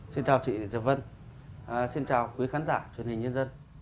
xin chào chị diệp vân xin chào quý khán giả truyền hình nhân dân